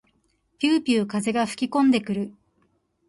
ぴゅうぴゅう風が吹きこんでくる。